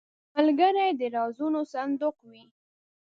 ملګری د رازونو صندوق وي